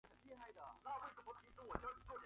后来成为沃伦法院的自由派成员而广为人知。